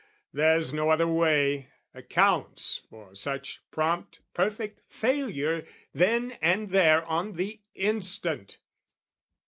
There's no other way Accounts for such prompt perfect failure then And there on the instant.